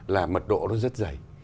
là mật độ nó rất dày